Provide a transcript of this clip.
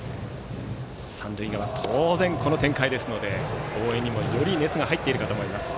三塁側、当然この展開ですので応援にもより熱が入っていると思います。